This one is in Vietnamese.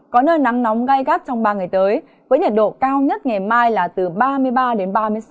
có nơi nắng nóng gai gắt trong ba ngày tới với nhiệt độ cao nhất ngày mai là từ ba mươi ba đến ba mươi sáu độ